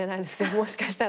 もしかしたら。